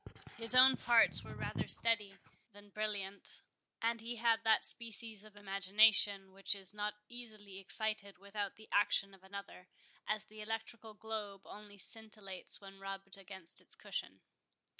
His own parts were rather steady than brilliant; and he had that species of imagination which is not easily excited without the action of another, as the electrical globe only scintillates when rubbed against its cushion.